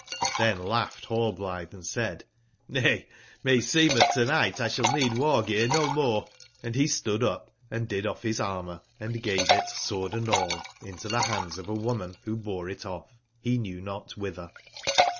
'\0 ^hen laughed Rallblithe and said :'' )Vay, meseem eth to/night 1 shall need war/gear no more/' Hnd he stoodup and did ofFall his armour &gave it, sword and all, in to the hands of a woman, who bore it off, he knew not whither.